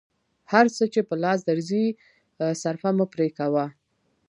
هر څه چې په لاس درځي صرفه مه پرې کوه.